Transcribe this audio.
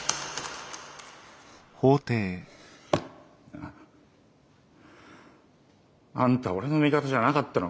なああんた俺の味方じゃなかったのかよ。